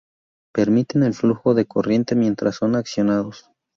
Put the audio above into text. Permiten el flujo de corriente mientras son accionados.